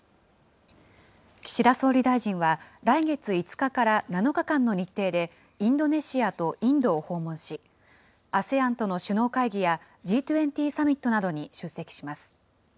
岸田総理大臣は、来月５日から７日間の日程で、インドネシアとインドを訪問し、ＡＳＥＡＮとの首脳会議やＧ２０サミットなどに出席します。